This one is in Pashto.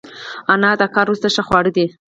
انار د کار وروسته ښه خواړه دي.